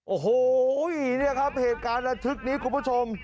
โอ้โหเนี่ยครับเหตุการณ์ระทึกนี้คุณผู้ชม